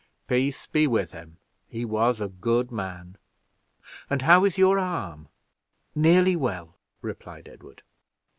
"Peace be with him he was a good man. And how is your arm?" "Nearly well," replied Edward.